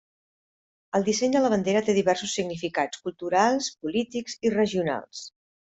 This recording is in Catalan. El disseny de la bandera té diversos significats, culturals, polítics i regionals.